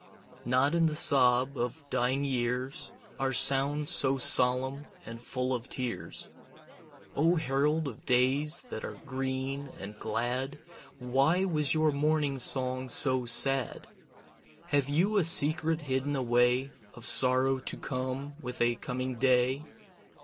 Not in the sob of dying years Are sounds so solemn and full of tears. O herald of days that are green and glad, Why was your morning song so sad? Have you a secret hidden away, Of sorrow to come with a coming day?